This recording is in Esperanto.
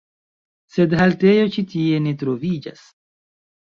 Sed haltejo ĉi tie ne troviĝas.